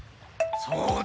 そうだ！